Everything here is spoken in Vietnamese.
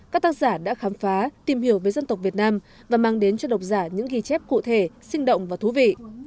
các tác giả đã khám phá tìm hiểu về dân tộc việt nam và mang đến cho độc giả những ghi chép cụ thể sinh động và thú vị